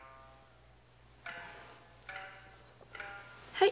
はい。